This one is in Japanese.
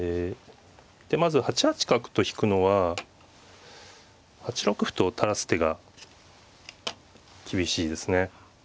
まず８八角と引くのは８六歩と垂らす手が厳しいですね。